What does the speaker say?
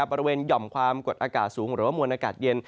หย่อมความกดอากาศสูงหรือว่ามวลอากาศเย็น